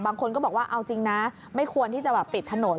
บางคนก็บอกว่าเอาจริงนะไม่ควรที่จะแบบปิดถนน